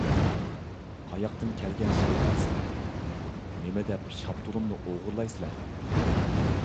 قاياقتىن كەلگەن شەيتان سىلەر! نېمىدەپ شاپتۇلۇمنى ئوغرىلايسىلەر!